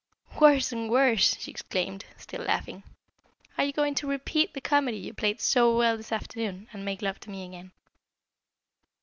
"Worse and worse!" she exclaimed, still laughing. "Are you going to repeat the comedy you played so well this afternoon, and make love to me again?"